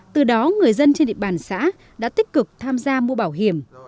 từ đó người dân trên địa bàn xã đã tích cực tham gia mua bảo hiểm